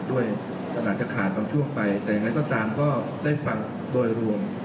อาจจะขาดบางช่วงไปแต่ยังไงก็ตามก็ได้ฟังโดยรวม